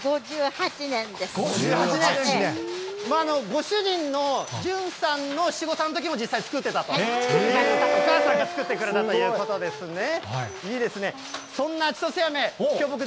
ご主人の淳さんの七五三のときも実際作ってたという、お母さんが作ってくれたということですね。